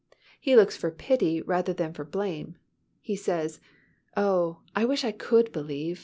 He looks for pity rather than for blame. He says, "Oh, I wish I could believe.